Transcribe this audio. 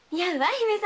姫様。